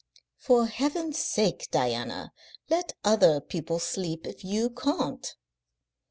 "For Heaven's sake, Diana, let other people sleep if you can't."